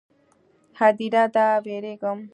_ هديره ده، وېرېږم.